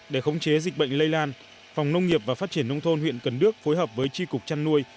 để khống chế dịch bệnh lây lan phòng nông nghiệp và phát triển nông thôn huyện cần đước phối hợp với tri cục chăn nuôi